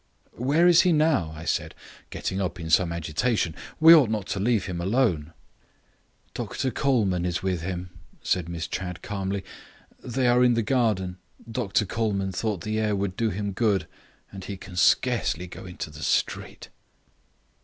"Where is he now?" I said, getting up in some agitation. "We ought not to leave him alone." "Doctor Colman is with him," said Miss Chadd calmly. "They are in the garden. Doctor Colman thought the air would do him good. And he can scarcely go into the street."